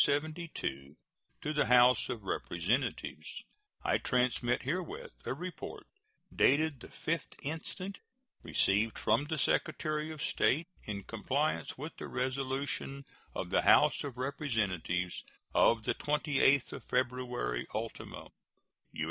To the House of Representatives: I transmit herewith a report, dated the 5th instant, received from the Secretary of State, in compliance with the resolution of the House of Representatives of the 28th of February ultimo. U.